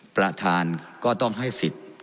ประธานก็ต้องให้สิทธิ์